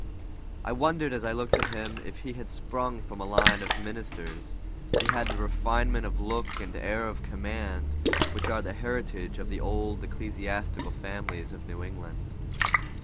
I wondered, as I looked at him, if he had sprung from a line of ministers; he had the refinement of look and air of command which are the heritage of the old ecclesiastical families of New England.